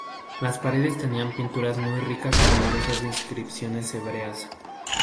Las paredes tenían pinturas muy ricas y numerosas inscripciones hebreas.